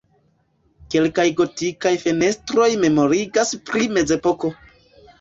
Kelkaj gotikaj fenestroj memorigas pri mezepoko.